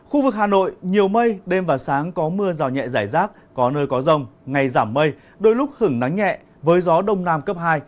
hà nội nhiều mây đêm và sáng có mưa rào nhẹ rải rác có nơi có rồng ngày giảm mây đôi lúc hứng nắng nhẹ với gió đông nam cấp hai